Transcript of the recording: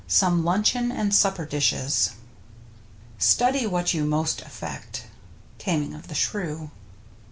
SOME LUNCHEON AND SUP PER DISHES Study what you most affect. — Taming of the Shrew.